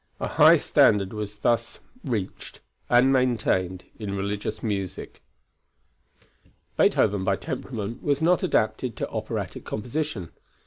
A high standard was thus reached and maintained in religious music. Beethoven by temperament was not adapted to operatic composition.